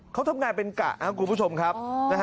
เขาทำงานเป็นกะครับคุณผู้ชมครับ